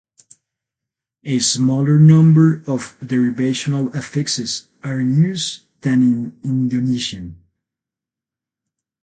A smaller number of derivational affixes are used than in Indonesian.